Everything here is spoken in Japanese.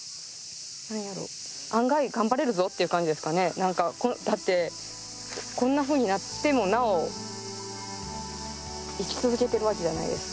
何かだってこんなふうになってもなお生き続けてるわけじゃないですか。